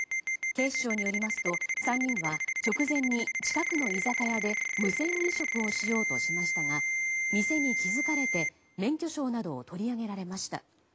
警視庁によりますと３人は直前に近くの居酒屋で無銭飲食をしようとしましたが店に気づかれて免許証などを取り上げられました。